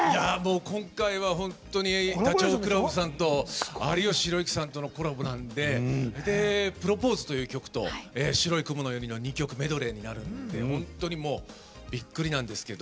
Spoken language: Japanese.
今回は、本当にダチョウ倶楽部さんと有吉弘行さんとのコラボなんで「プロポーズ」という曲と「白い雲のように」の２曲メドレーになるんで本当にびっくりなんですけど。